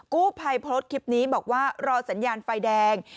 กู้ภัยโพสต์คลิปนี้บอกว่ารอสัญญาณไฟแดง